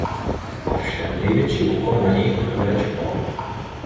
Ovšem největší úkol na něj teprve čekal.